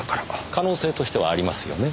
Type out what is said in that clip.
可能性としてはありますよね。